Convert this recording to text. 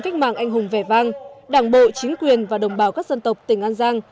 cách mạng anh hùng vẻ vang đảng bộ chính quyền và đồng bào các dân tộc tỉnh an giang